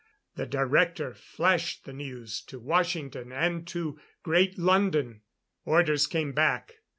The Director flashed the news to Washington and to Great London. Orders came back.